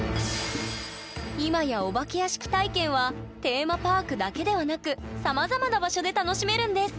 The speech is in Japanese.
今やお化け屋敷体験はテーマパークだけではなくさまざまな場所で楽しめるんです！